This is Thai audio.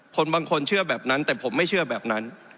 คนบางคนเชื่อแบบนั้นแต่ผมไม่เชื่อแบบนั้น